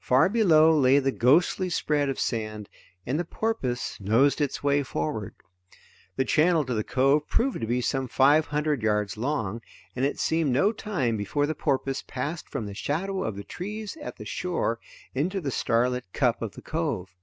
Far below lay the ghostly spread of sand, and the porpoise nosed its way forward. The channel to the cove proved to be some five hundred yards long, and it seemed no time before the porpoise passed from the shadow of the trees at the shore into the starlit cup of the cove.